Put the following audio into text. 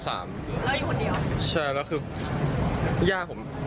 แล้วคือย่าผม